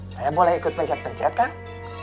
saya boleh ikut pencet pencet kang